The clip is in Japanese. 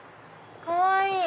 かわいい！